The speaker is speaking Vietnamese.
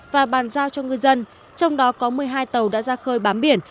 và bàn giao cho ngư dân trong đó có một mươi hai tàu đã ra khơi bám biển